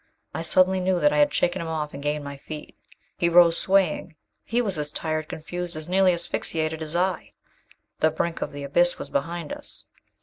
I suddenly knew that I had shaken him off and gained my feet. He rose, swaying. He was as tired, confused, as nearly asphyxiated as I. The brink of the abyss was behind us.